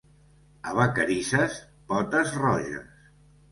A Vacarisses, potes roges.